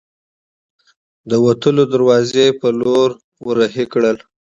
د وتلو دروازې په لور ور هۍ کړل.